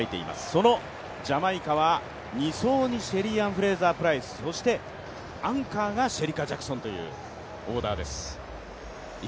そのジャマイカは２走にシェリーアン・フレイザープライスそしてアンカーがシェリカ・ジャクソンというオーダーです。